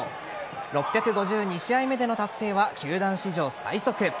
６５２試合目での達成は球団史上最速。